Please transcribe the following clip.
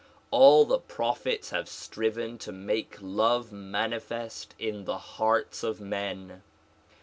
All the prophets have striven to make love manifest in the hearts of men.